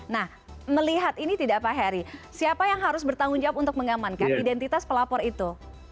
nah melihat ini tidak pak heri siapa yang harus bertanggung jawab untuk mengamankan identitas pelapor itu